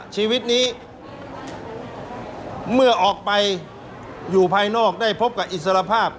ชีวิตนี้เมื่อออกไปอยู่ภายนอกได้พบกับอิสรภาพ